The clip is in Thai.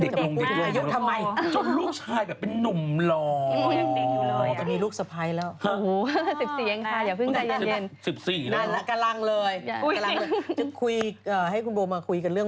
ทำไมจนลูกชายแบบใหญ่แบบเป็นนุ่มหรอ